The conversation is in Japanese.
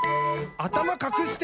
「あたまかくして！」